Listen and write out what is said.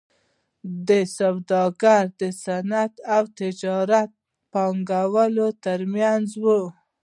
دا سوداګري د صنعتي او تجارتي پانګوالو ترمنځ وي